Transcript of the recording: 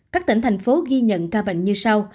các tỉnh thành phố ghi nhận ca bệnh như sau